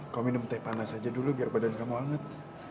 kau minum teh panas aja dulu biar badan kamu hangat